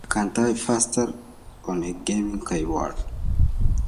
I can type faster on a gaming keyboard.